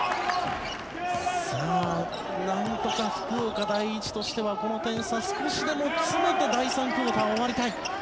なんとか福岡第一としてはこの点差を少しでも詰めて第３クオーターを終わりたい。